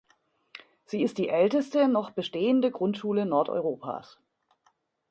Sie ist die älteste noch bestehende Grundschule Nordeuropas.